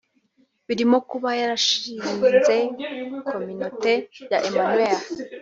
birimo kuba yarashinze Communaute ya Emmanuel